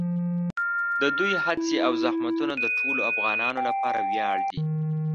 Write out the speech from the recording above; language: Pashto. د دوی هڅې او زحمتونه د ټولو افغانانو لپاره ویاړ دي.